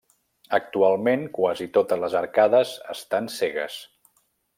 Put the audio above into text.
Actualment quasi totes les arcades estan cegues.